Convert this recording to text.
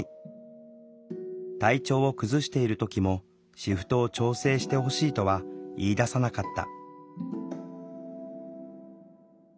体調を崩している時もシフトを調整してほしいとは言いださなかった。